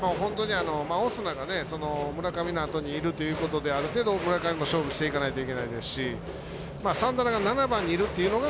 オスナが村上のあとにいるということである程度、村上も勝負していかないといけないですしサンタナが７番にいるというのが